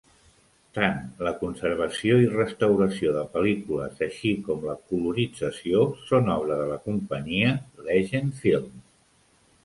Tant la conservació i restauració de pel·lícules així com la colorització són obra de la companyia Legend Films.